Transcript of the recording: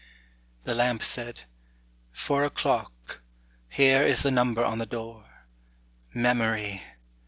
â The lamp said, âFour oâclock, Here is the number on the door. Memory!